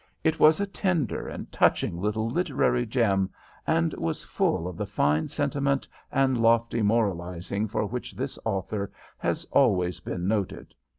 It was a tender and touching little literary gem, and was full of the fine sentiment and lofty moralizing for which this author has always been noted.